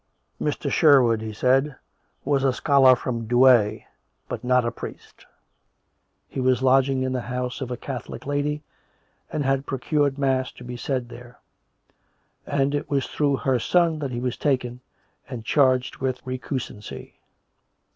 " Mr. Sherwood," he said, " was a scholar from Douay, but not a priest. He was lodging in the house of a Catholic lady, and had procured mass to be said there, and it was through her son that he was taken and charged with recusancy."